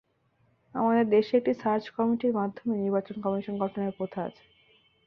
আমাদের দেশে একটি সার্চ কমিটির মাধ্যমে নির্বাচন কমিশন গঠনের প্রথা আছে।